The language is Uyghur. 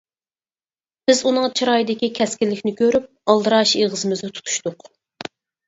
بىز ئۇنىڭ چىرايىدىكى كەسكىنلىكنى كۆرۈپ ئالدىراش ئېغىزىمىزنى تۇتۇشتۇق.